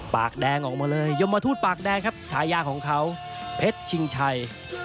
ปากแดงออกมาเลยยมทูตปากแดงครับฉายาของเขาเพชรชิงชัย